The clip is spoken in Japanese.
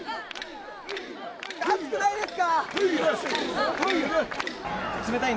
暑くないですか？